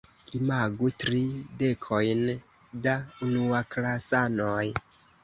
Imagu tri dekojn da unuaklasanoj.